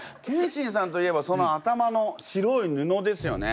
謙信さんといえばその頭の白い布ですよね。